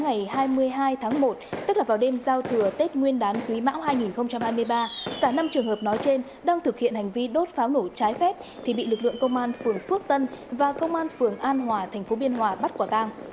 ngày hai mươi hai tháng một tức là vào đêm giao thừa tết nguyên đán quý mão hai nghìn hai mươi ba cả năm trường hợp nói trên đang thực hiện hành vi đốt pháo nổ trái phép thì bị lực lượng công an phường phước tân và công an phường an hòa thành phố biên hòa bắt quả tang